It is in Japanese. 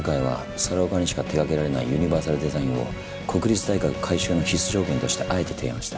猿岡にしか手がけられないユニバーサルデザインを国立大学改修の必須条件としてあえて提案した。